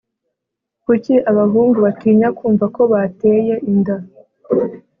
Kuki abahungu batinya kumva ko bateye inda